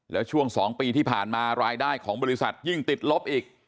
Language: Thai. แล้วช่วง๒ปีที่ผ่านมารายได้ของบริษัทยิ่งติดลบอีก